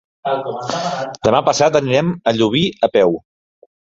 Demà passat anirem a Llubí a peu.